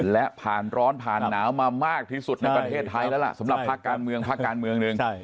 และผ่านร้อนผ่านหนาวมามากที่สุดในประเทศไทยแล้วล่ะสำหรับภาคการเมืองภาคการเมืองหนึ่ง